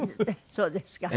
そうですか。